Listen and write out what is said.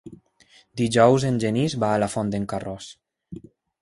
Dijous en Genís va a la Font d'en Carròs.